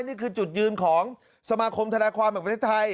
นี่คือจุดยืนของสมาคมธนาความแห่งประเทศไทย